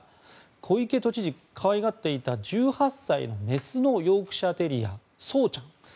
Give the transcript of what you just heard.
小池都知事、可愛がっていた１８歳のメスのヨークシャテリアそうちゃん。